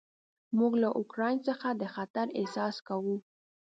موږ له اوکراین څخه د خطر احساس کوو.